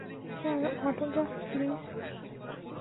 Sir, autograph please.